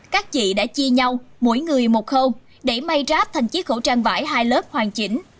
các chị đã chia nhau mỗi người một khâu để may ráp thành chiếc khẩu trang vải hai lớp hoàn chỉnh